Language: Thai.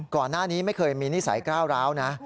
ก่อนหน้านี้ไม่เคยมีนิสัยก้าวร้าวนะ